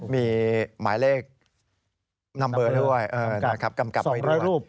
มีหมายเลขนัมเบอร์ด้วยเออนะครับกำกลับไว้ด้วยสองร้อยรูป